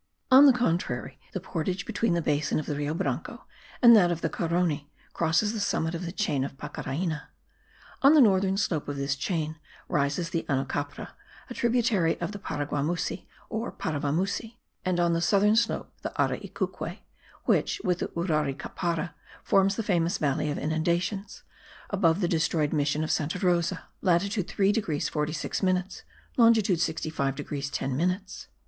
On the contrary, the portage between the basin of the Rio Branco and that of the Carony crosses the summit of the chain of Pacaraina. On the northern slope of this chain rises the Anocapra, a tributary of the Paraguamusi or Paravamusi; and on the southern slope, the Araicuque, which, with the Uraricapara, forms the famous Valley of Inundations, above the destroyed mission of Santa Rosa (latitude 3 degrees 46 minutes, longitude 65 degrees 10 minutes).